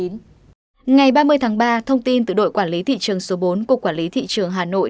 ngày ba mươi tháng ba thông tin từ đội quản lý thị trường số bốn của quản lý thị trường hà nội